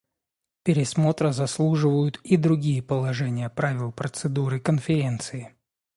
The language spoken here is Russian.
Пересмотра заслуживают и другие положения правил процедуры Конференции.